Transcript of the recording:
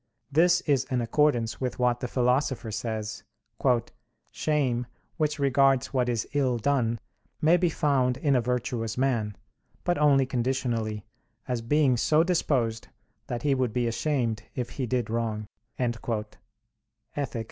This is in accordance with what the Philosopher says, "Shame, which regards what is ill done, may be found in a virtuous man, but only conditionally; as being so disposed that he would be ashamed if he did wrong" (Ethic.